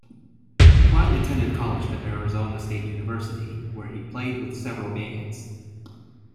Clyne attended college at Arizona State University, where he played with several bands.